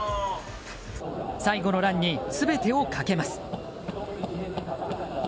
最後のランに全てをかけます。